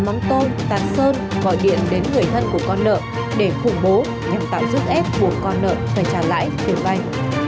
ném móng tôn tạt sơn gọi điện đến người thân của con nợ để phủng bố nhằm tạo giúp ép buộc con nợ phải trả lãi tiền vay